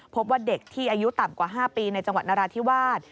พบว่าเด็กที่อายุต่ำกว่า๕ปีในจังหวัดนราธิวาส